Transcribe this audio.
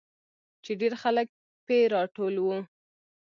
چې ډېرخلک پې راټول وو.